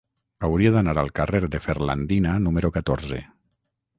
Hauria d'anar al carrer de Ferlandina número catorze.